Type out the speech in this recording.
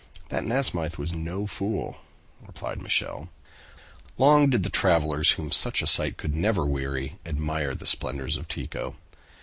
"That Nasmyth was no fool!" replied Michel. Long did the travelers, whom such a sight could never weary, admire the splendors of Tycho.